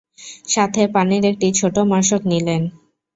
সাথে পানির একটি ছোট মশক নিলেন।